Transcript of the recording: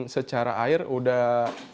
secara air sudah